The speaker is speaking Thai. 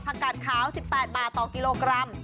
กาดขาว๑๘บาทต่อกิโลกรัม